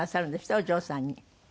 お嬢さんに。